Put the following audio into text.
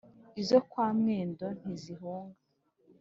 Izo kwa Mwendo ntiziyihunga